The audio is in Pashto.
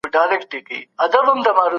پارلمان بهرنی پور نه اخلي.